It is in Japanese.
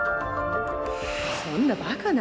そんなバカな。